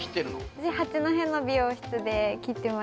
私八戸の美容室で切ってます